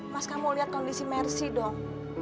mas kamu liat kondisi mercy dong